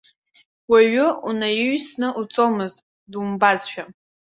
Уаҩы унаиаҩсны уцомызт, думбазшәа.